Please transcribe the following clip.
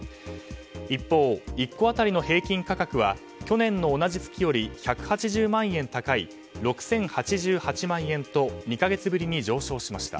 一方、１戸当たりの平均価格は去年の同じ月より１８０万円高い６０８８万円と２か月ぶりに上昇しました。